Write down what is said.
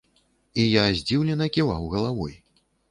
І я здзіўлена ківаў галавой.